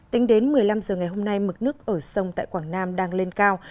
tính đến một mươi năm h ngày hôm nay mực nước ở sông tại quảng nam đang lên cao